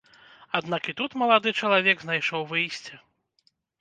Аднак і тут малады чалавек знайшоў выйсце.